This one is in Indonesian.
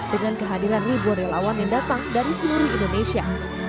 dengan kehadiran ribuan relawan yang datang dari seluruh indonesia